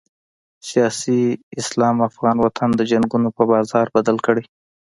سیاسي اسلام افغان وطن د جنګونو په بازار بدل کړی.